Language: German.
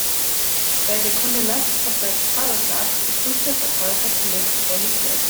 Wählt der Kunde Lastschrift als Zahlungsart, so prüft der Verkäufer zunächst die Bonität.